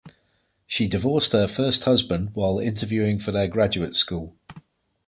She divorced her first husband while interviewing for their graduate school.